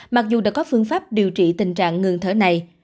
mặc dù đã có phương pháp điều trị tình trạng ngừng thở này